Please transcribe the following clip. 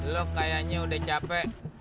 lo kayaknya udah capek